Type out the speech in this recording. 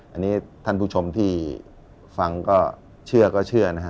อันนี้ท่านผู้ชมที่ฟังก็เชื่อก็เชื่อนะฮะ